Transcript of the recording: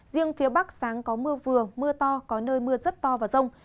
riêng phía bắc sáng có mưa vừa mưa to có nơi mưa rất to và rông